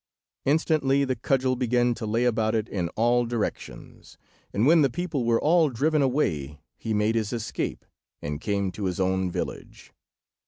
Instantly the cudgel began to lay about it in all directions, and when the people were all driven away he made his escape, and came to his own village.